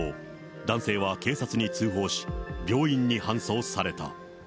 男性は警察に通報し、病院に搬送された。